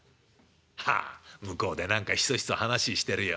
はあ向こうで何かひそひそ話してるよ。